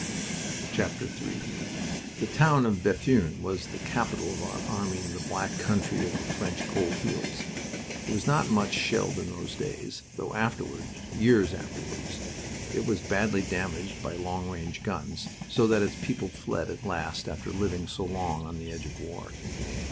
III The town of Bethune was the capital of our army in the Black Country of the French coal fields. It was not much shelled in those days, though afterward years afterward it was badly damaged by long range guns, so that its people fled, at last, after living so long on the edge of war.